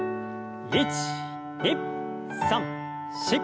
１２３４。